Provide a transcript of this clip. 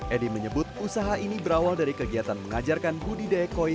edi menyebut usaha ini berawal dari kegiatan mengajarkan budidaya koi